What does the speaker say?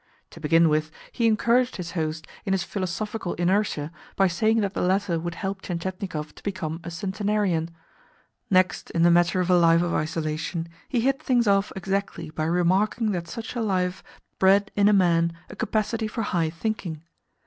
To begin with, he encouraged his host in his philosophical inertia by saying that the latter would help Tientietnikov to become a centenarian. Next, in the matter of a life of isolation, he hit things off exactly by remarking that such a life bred in a man a capacity for high thinking.